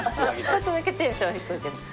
ちょっとだけテンション低いけど。